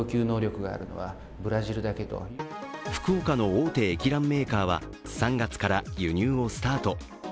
福岡の大手液卵メーカーは３月から輸入をスタート。